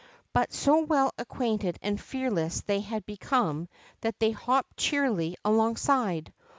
But so Avell acquainted and fearless had they become that they hopped cheerily alongside.